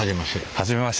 初めまして。